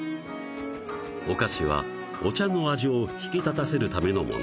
お菓子はお茶の味を引き立たせるためのもの